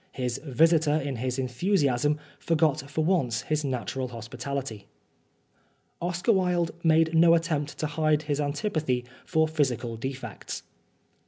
His visitor, in his enthusiasm, forgot for once his natural hospitality. Oscar Wilde made no attempt to hide his antipathy for physical defects.